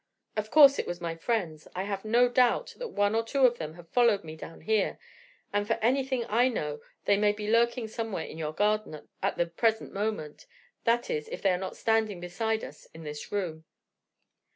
Of course it was my friends. I have no doubt that one or two of them have followed me down here; and for anything I know they may be lurking somewhere in your garden at the present moment that is, if they are not standing beside us in this room."